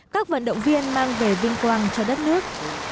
các vận động viên mang về vinh quang cho đất nước